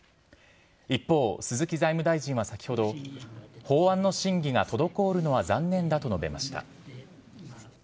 一方、鈴木財務大臣は先ほど、法案の審議が滞るのは残念だと述べました。